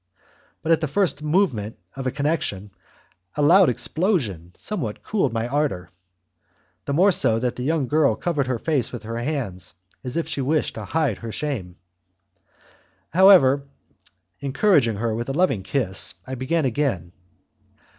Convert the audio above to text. But at the first movement of the connection a loud explosion somewhat cooled my ardour, the more so that the young girl covered her face with her hands as if she wished to hide her shame. However, encouraging her with a loving kiss, I began again.